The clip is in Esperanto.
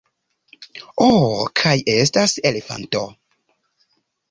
Oh kaj estas elefanto